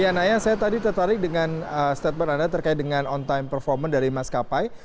ya naya saya tadi tertarik dengan statement anda terkait dengan on time performance dari maskapai